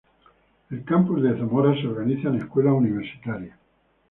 El Campus de Zamora se organiza en escuelas universitarias.